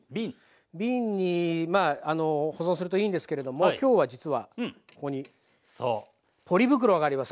瓶に保存するといいんですけれどもきょうは実はここにポリ袋があります。